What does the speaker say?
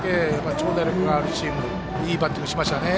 長打力のあるチームなのでいいバッティングをしましたね。